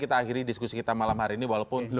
kita akhiri diskusi kita malam hari ini walaupun